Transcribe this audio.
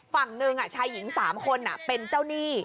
ฝั่งหนึ่งชายหญิง๓คนเป็นเจ้าหนี้